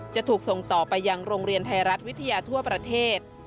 จะถูกส่งต่อไปยังโรงเรียนไทยรัฐวิทยาทั่วประเทศ